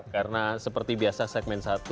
karena seperti biasa segmen satu